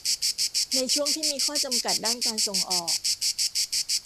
ในช่วงที่มีข้อจำกัดด้านการส่งออก